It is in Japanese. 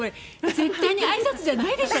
絶対にあいさつじゃないでしょ。